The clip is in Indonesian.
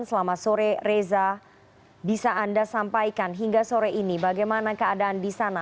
selamat sore reza bisa anda sampaikan hingga sore ini bagaimana keadaan di sana